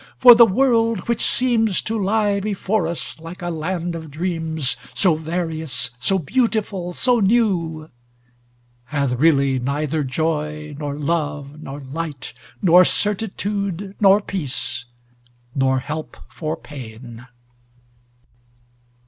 for the world which seems To lie before us like a land of dreams, So various, so beautiful, so new, Hath really neither joy, nor love, nor light, Nor certitude, nor peace, nor help for pain."